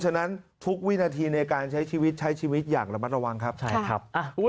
ฉะนั้นทุกวินาทีในการใช้ชีวิตใช้ชีวิตอย่างระมัดระวังครับใช่ครับ